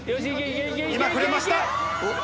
今、触れました。